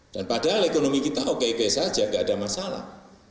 dan padahal ekonomi kita oke oke saja gak ada masalah